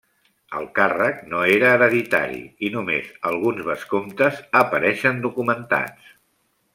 El càrrec no era hereditari i només alguns vescomtes apareixen documentats.